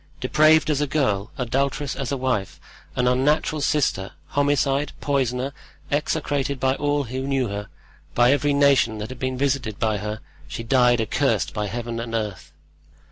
Depraved as a girl, adulterous as a wife, an unnatural sister, homicide, poisoner, execrated by all who knew her, by every nation that had been visited by her, she died accursed by Heaven and earth."